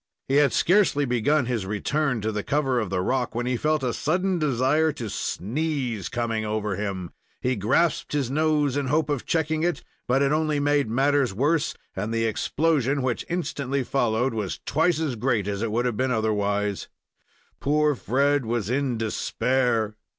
He had scarcely begun his return to the cover of the rock, when he felt a sudden desire to sneeze coming over him. He grasped his nose, in the hope of checking it but it only made matters worse, and the explosion which instantly followed was twice as great as it would have been otherwise. Poor Fred was in despair!